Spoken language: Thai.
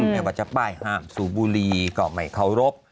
ไม่ว่าจะป้ายห้ามสูบบุรีก็ไม่เคารพ